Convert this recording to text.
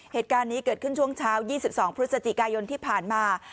เหตุการณ์นี้เกิดขึ้นช่วงเช้า๒๒พฤศจิกายนที่ผ่านมา